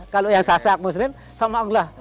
kalau yang sasak muslim sama allah